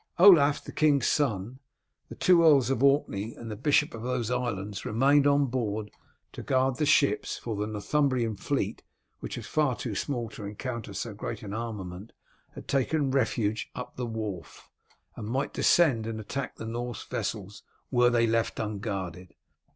Olaf, the king's son, the two earls of Orkney, and the bishop of those islands remained on board to guard the ships, for the Northumbrian fleet, which was far too small to encounter so great an armament, had taken refuge up the Wharfe, and might descend and attack the Norse vessels were they left unguarded.